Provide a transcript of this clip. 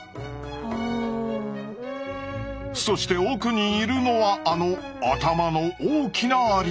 そして奥にいるのはあの頭の大きなアリ。